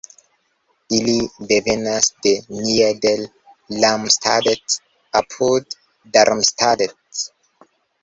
Ili devenas de Nieder-Ramstadt apud Darmstadt.